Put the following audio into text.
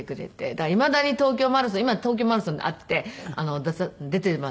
だからいまだに東京マラソン今東京マラソンがあって出ていますけど。